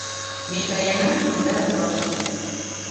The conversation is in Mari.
— Ме каена киндан олашке...